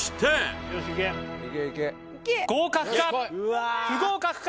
あ合格か？